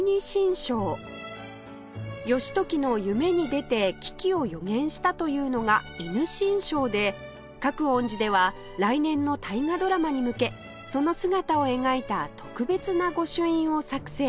義時の夢に出て危機を予言したというのが戌神将で覚園寺では来年の大河ドラマに向けその姿を描いた特別な御朱印を作成